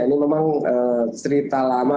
ini memang cerita lama